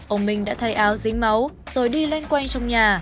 ông minh đã thay áo dính máu rồi đi loanh quanh trong nhà